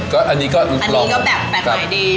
ก็อันนี้ก็ลองกับอันนี้ก็แบบใหม่ดี